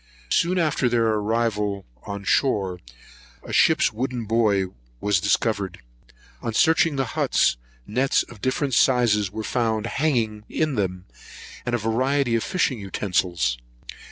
Soon after their arrival on shore, a ship's wooden buoy was discovered. On searching the huts, nets of different sizes were found hanging in them, and a variety of fishing utensils.